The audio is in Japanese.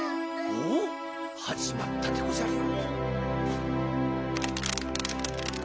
おっはじまったでごじゃるよ。